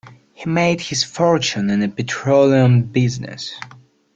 He made his fortune in the petroleum business.